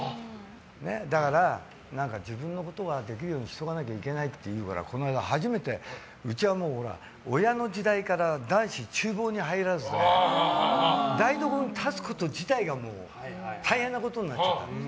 だから、自分のことはできるようにしとかなきゃいけないって言うからこの間、初めてうちは親の時代から男子厨房に入らずで台所に立つこと自体が大変なことになっちゃったの。